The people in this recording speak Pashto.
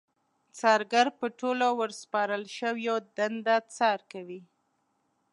څارګر په ټولو ورسپارل شويو دنده څار کوي.